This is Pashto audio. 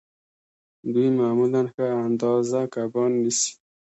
دوی معمولاً ښه اندازه کبان نیسي